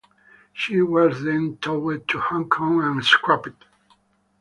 She was then towed to Hong Kong and scrapped.